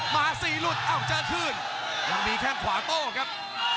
มาสี่รุ่นเอาจะขึ้นยังมีแทงขวาโต้ครับ